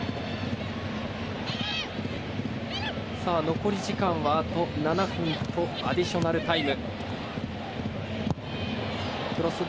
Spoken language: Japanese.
残り時間はあと７分とアディショナルタイム。